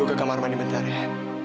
gue ke kamar mandi bentar ya